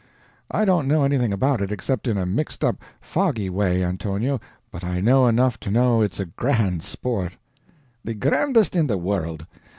"I don't know anything about it, except in a mixed up, foggy way, Antonio, but I know enough to know it's grand sport." "The grandest in the world!